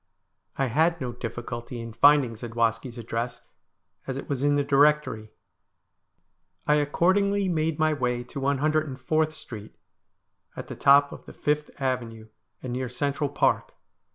I had no difficulty in finding Zadwaski's address, as it was in the directory. I accordingly made my way to 104th Street, at the top of the 5th Avenue, and near Central Park.